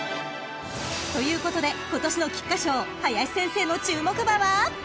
［ということで今年の菊花賞林先生の注目馬は？］